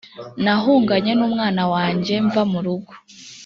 nahunganye n umwana wanjye mva mu rugo